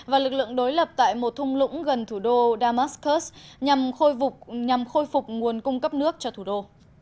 và lực lượng đối lập tại một thung lũng gần thủ đô damascus nhằm khôi phục nguồn cung cấp nước cho thủ đô